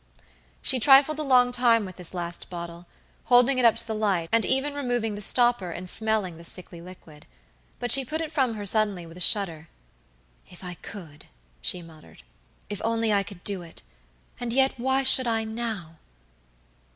She trifled a long time with this last bottle; holding it up to the light, and even removing the stopper and smelling the sickly liquid. But she put it from her suddenly with a shudder. "If I could!" she muttered, "if I could only do it! And yet why should I now?"